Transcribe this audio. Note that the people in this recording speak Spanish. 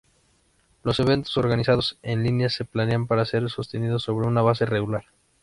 Los eventos organizados en línea se planean para ser sostenido sobre una base regular.